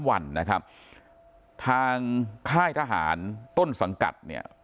วันนะครับทางค่ายทหารต้นสังกัดเนี่ย